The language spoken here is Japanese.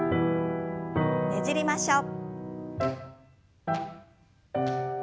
ねじりましょう。